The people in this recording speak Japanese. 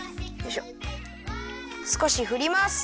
すこしふります。